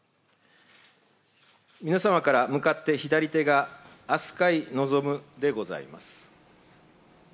皆様から向かって左手が飛鳥井望でございます。